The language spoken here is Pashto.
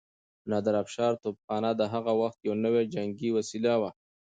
د نادرافشار توپخانه د هغه وخت يو نوی جنګي وسيله وه.